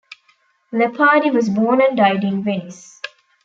Leopardi was born and died in Venice.